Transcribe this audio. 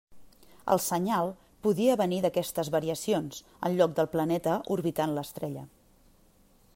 El senyal podia venir d'aquestes variacions en lloc del planeta orbitant l'estrella.